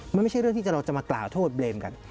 มันไม่ใช่เรื่องที่เราจะมากล่าวโทษเบรมกัน